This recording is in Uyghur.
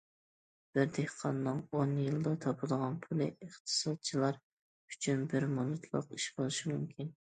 بىر دېھقاننىڭ ئون يىلدا تاپىدىغان پۇلى ئىقتىسادچىلار ئۈچۈن بىر مىنۇتلۇق ئىش بولۇشى مۇمكىن.